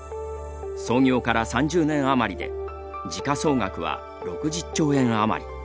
創業から３０年余りで時価総額は６０兆円余り。